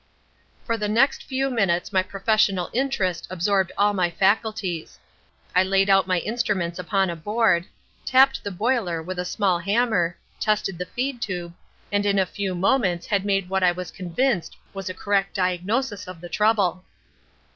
"For the next few minutes my professional interest absorbed all my faculties. I laid out my instruments upon a board, tapped the boiler with a small hammer, tested the feed tube, and in a few moments had made what I was convinced was a correct diagnosis of the trouble.